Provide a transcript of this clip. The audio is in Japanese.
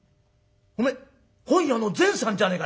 お前本屋の善さんじゃねえか」。